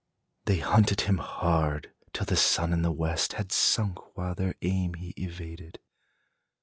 They hunted him hard, till the sun in the west Had sunk, while their aim he evaded.